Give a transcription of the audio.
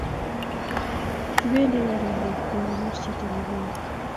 Kipendi karun gaa kekonor chiton ne kime